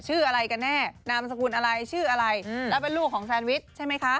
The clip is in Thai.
ชื่ออะไรกันแน่นามสกุลอะไรชื่ออะไรแล้วเป็นลูกของแซนวิชใช่ไหมคะ